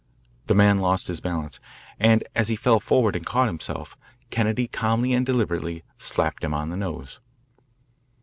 The man lost his balance, and as he fell forward and caught himself, Kennedy calmly and deliberately slapped him on the nose.